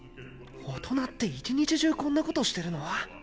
大人って一日中こんなことしてるの？